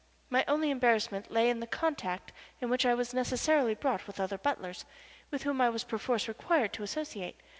My only embarrassment lay in the contact into which I was necessarily brought with other butlers, with whom I was perforce required to associate.